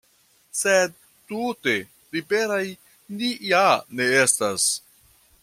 Sed tute liberaj ni ja ne estas.